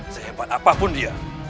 sehebat apapun dia